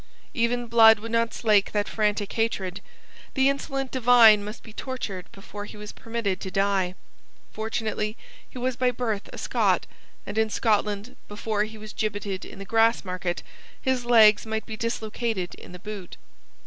Even blood would not slake that frantic hatred. The insolent divine must be tortured before he was permitted to die. Fortunately he was by birth a Scot; and in Scotland, before he was gibbeted in the Grassmarket, his legs might be dislocated in the boot.